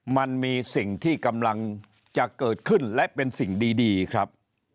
มันมีสิ่งที่กำลังจะเกิดขึ้นและเป็นสิ่งดีครับ